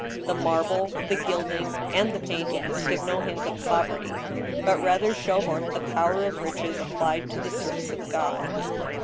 The marble, the gilding, and the paintings give no hint of poverty, but rather show forth the power of riches applied to the service of God.